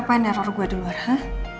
apa yang kamu lakukan untuk mengejar saya